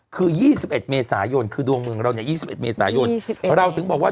พูดเหมือนกันทุกคนเลย